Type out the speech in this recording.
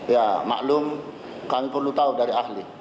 ya maklum kami perlu tahu dari ahli